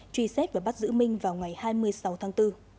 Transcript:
truy xét và bắt giữ minh vào ngày hai mươi sáu tháng bốn